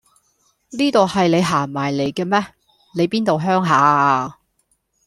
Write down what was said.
呢度係你行埋嚟嘅咩？你邊度鄉下呀？